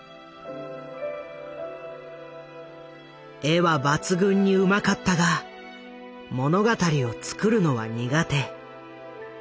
絵は抜群にうまかったが物語を作るのは苦手。